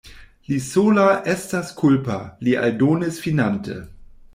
Li sola estas kulpa, li aldonis finante.